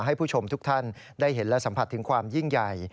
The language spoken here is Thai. ให้ผู้ชมทุกท่านได้เห็นและสัมผัสถึงความยิ่งใหญ่